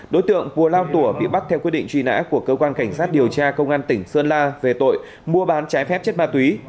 đối tượng cùa lao tùa bị bắt theo quyết định truy nã của cơ quan cảnh sát điều tra công an tỉnh sơn la về tội mua bán trái phép chất ma túy